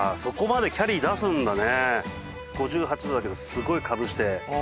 ５８度だけどすごいかぶして。